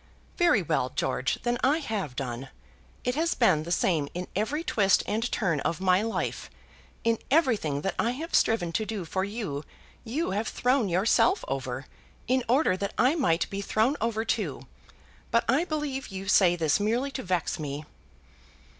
"Very well, George; then I have done. It has been the same in every twist and turn of my life. In everything that I have striven to do for you, you have thrown yourself over, in order that I might be thrown over too. But I believe you say this merely to vex me."